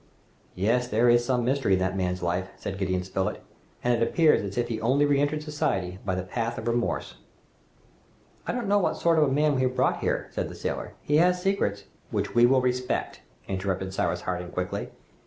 "Yes! there is some mystery in that man's life," said Gideon Spilett, "and it appears as if he had only re entered society by the path of remorse." "I don't know what sort of a man we have brought here," said the sailor. "He has secrets " "Which we will respect," interrupted Cyrus Harding quickly.